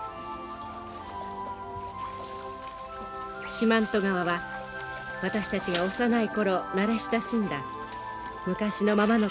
四万十川は私たちが幼い頃慣れ親しんだ昔のままの川でした。